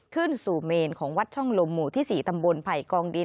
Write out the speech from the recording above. ขึ้นสู่เมนของวัดช่องลมหมู่ที่๔ตำบลไผ่กองดิน